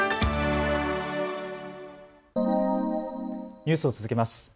ニュースを続けます。